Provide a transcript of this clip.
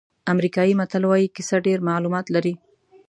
امریکایي متل وایي کیسه ډېر معلومات لري.